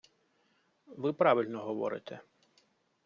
Ви правильно говорите.